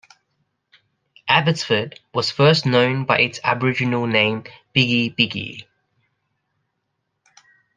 Abbotsford was first known by its Aboriginal name Bigi Bigi.